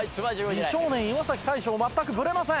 美少年岩大昇全くブレません。